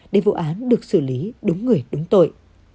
để vụ án được xử lý đúng người đúng tội